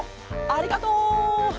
ありがとう！